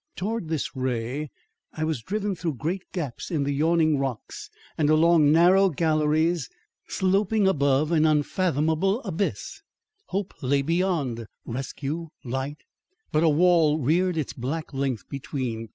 Towards this ray I was driven through great gaps in the yawning rocks and along narrow galleries sloping above an unfathomable abyss. Hope lay beyond, rescue, light. But a wall reared its black length between.